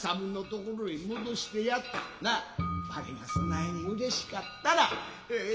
なあわれがそないに嬉しかったらええ